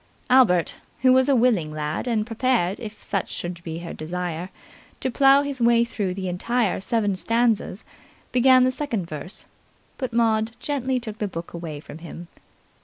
Albert, who was a willing lad and prepared, if such should be her desire, to plough his way through the entire seven stanzas, began the second verse, but Maud gently took the book away from him.